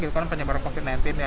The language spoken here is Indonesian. karena penyebaran covid sembilan belas